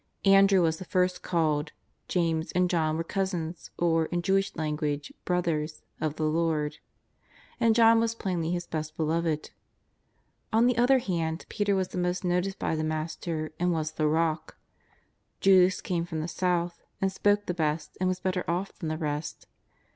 Andrew was the first called; James and John were cousins, or, in Jewish language, " brothers " of the Lord ; and John was plainly His best beloved. On the other hand, Peter was the most noticed by the Master and was the Pock; Judas came from the south, and spoke the best, and was better off than the rest.